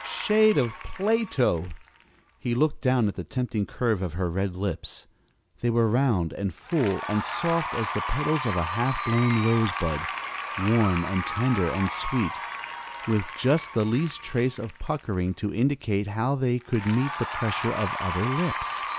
Shade of Plato! He looked down at the tempting curve of her red lips. They were round and full and soft as the petals of a half blown rosebud, warm and tender and sweet, with just the least trace of puckering to indicate how they could meet the pressure of other lips.